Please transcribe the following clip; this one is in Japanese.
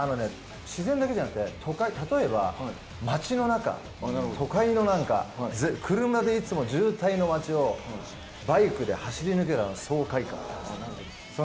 自然だけじゃなくて例えば、街の中都会の、車でいつも渋滞の街をバイクで走り抜ける爽快感。